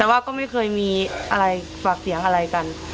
แต่ว่าก็ไม่เคยมีอะไรฝากเสียงอะไรกัน